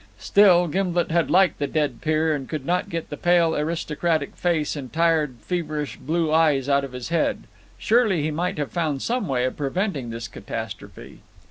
Still Gimblet had liked the dead peer, and could not get the pale aristocratic face and tired, feverish blue eyes out of his head. Surely he might have found some way of preventing this catastrophe.